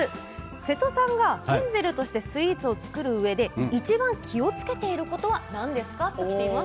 瀬戸さんがヘンゼルとしてスイーツを作るうえでいちばん気をつけていることは何ですか？